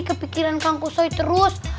kepikiran kang kusoy terus